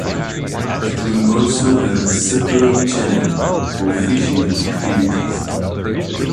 It will also have separate channel for fishing activities.